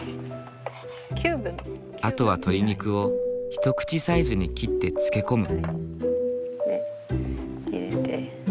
あとは鶏肉を一口サイズに切ってつけ込む。